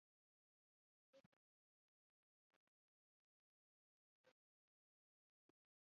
په دې سرلیک کې واک ته د احمدشاه بابا د رسېدو وړاندې لاملونه نیسو.